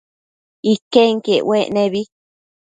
Iquenquiec uec nebi